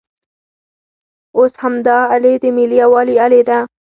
اوس همدا الې د ملي یووالي الې ده.